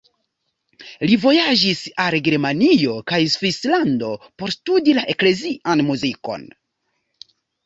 Li vojaĝis al Germanio kaj Svislando por studi la eklezian muzikon.